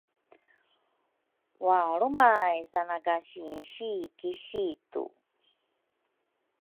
walrumay sana ka sinsi ki situ.